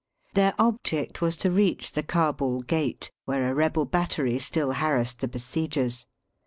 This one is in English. Their object was to reach the Cabul Gate, where a rebel battery still harassed the besiegers.